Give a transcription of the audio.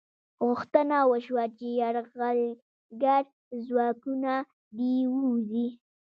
غوښتنه وشوه چې یرغلګر ځواکونه دې ووځي.